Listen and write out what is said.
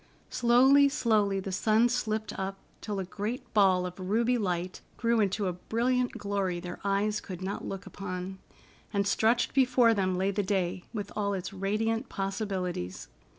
Slowly, slowly, the sun slipped up, until a great ball of ruby light grew into a brilliant glory their eyes could not look upon. And stretched before them lay the day, with all its radiant possibilities.